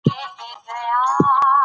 تاریخ د پښتني قام نښان دی.